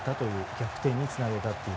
逆転につなげたという。